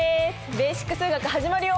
「ベーシック数学」始まるよ！